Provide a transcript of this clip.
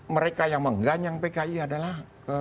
mereka yang mengganyang pki adalah